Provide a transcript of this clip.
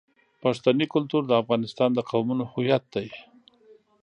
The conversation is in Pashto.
پښتني کلتور د افغانستان د قومونو هویت دی.